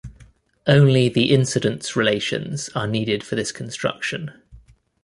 Only the incidence relations are needed for this construction.